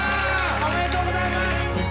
おめでとうございます！